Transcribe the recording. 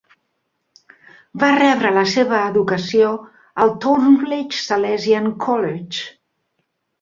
Va rebre la seva educació al Thornleigh Salesian College.